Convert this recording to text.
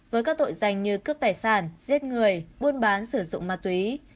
với các tội danh như cướp tài sản giết người buôn bán sử dụng ma túy